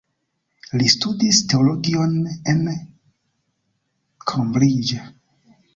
Li studis teologion en Cambridge.